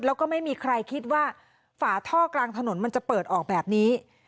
แล้วก็ไม่มีใครคิดว่าฝาท่อกลางถนนมันจะเปิดออกแบบนี้